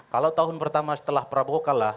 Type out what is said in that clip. kalau tahun pertama setelah prabowo kalah